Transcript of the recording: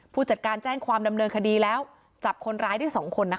ผู้จัดการแจ้งความดำเนินคดีแล้วจับคนร้ายได้๒คนนะคะ